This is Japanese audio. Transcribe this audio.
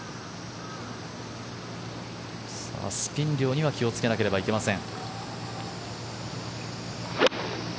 スピン量には気をつけなければいけません。